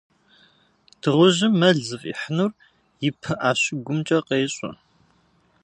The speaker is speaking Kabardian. Дыгъужьым мэл зыфӏихьынур и пыӏэ щыгумкӏэ къещӏэ.